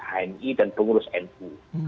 hni dan pengurus nu